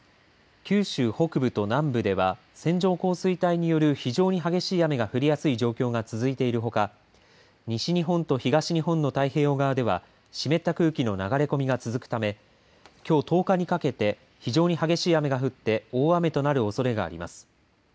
九州北部と南部では線状降水帯による非常に激しい雨が降りやすい状況が続いているほか西日本と東日本の太平洋側では湿った空気の流れ込みが続くためきょう１０日にかけて非常に激しい雨が降って大雨となるおそれがあります。